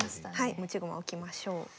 持ち駒置きましょう。